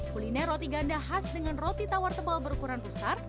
kuliner roti ganda khas dengan roti tawar tebal berukuran besar